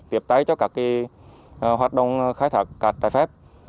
tiếp tái cho các hoạt động khai thác cát trải phép